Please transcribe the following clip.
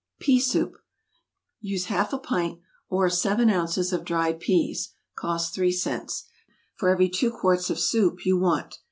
=Pea Soup.= Use half a pint, or seven ounces of dried peas, (cost three cents,) for every two quarts of soup you want.